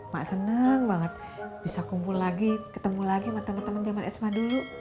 mak seneng banget bisa kumpul lagi ketemu lagi sama teman teman jaman sma dulu